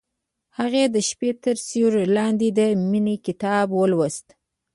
هغې د شپه تر سیوري لاندې د مینې کتاب ولوست.